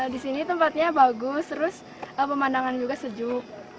di sini tempatnya bagus terus pemandangan juga sejuk